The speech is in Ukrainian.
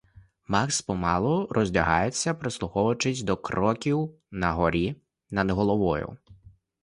Макс помалу роздягається, прислухаючись до кроків нагорі, над головою.